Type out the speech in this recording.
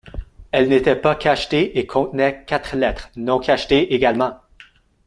Elle n’était pas cachetée et contenait quatre lettres, non cachetées également.